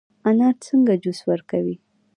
انار څنګه جوس ورکوي؟